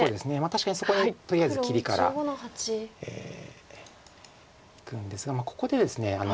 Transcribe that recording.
確かにそこにとりあえず切りからいくんですがここでですね